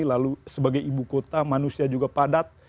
lalu sebagai ibu kota manusia juga padat